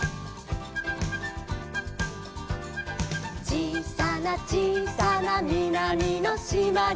「ちいさなちいさなみなみのしまに」